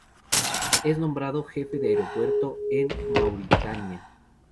Es nombrado "jefe de aeropuerto" en Mauritania.